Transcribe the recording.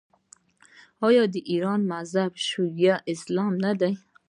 آیا د ایران مذهب شیعه اسلام نه دی؟